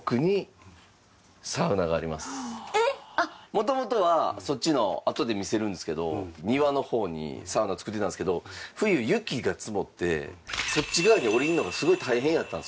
もともとはそっちのあとで見せるんですけど庭の方にサウナを作ってたんですけど冬雪が積もってそっち側に下りるのがすごい大変やったんですよ。